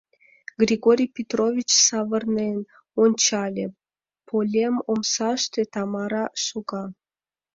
Григорий Петрович савырнен ончале: полем омсаште, Тамара шога.